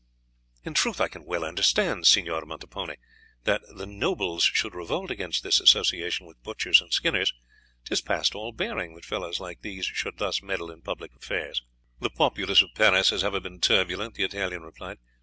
"In truth I can well understand, Signor Montepone, that the nobles should revolt against this association with butchers and skinners; 'tis past all bearing that fellows like these should thus meddle in public affairs." "The populace of Paris has ever been turbulent," the Italian replied.